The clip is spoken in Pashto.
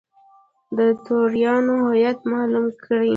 د توریانو هویت معلوم کړي.